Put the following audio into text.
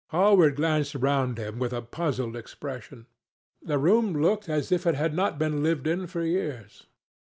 Hallward glanced round him with a puzzled expression. The room looked as if it had not been lived in for years.